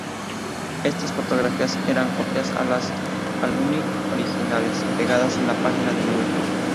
Estas fotografías eran copias a la albúmina originales, pegadas en las páginas del libro.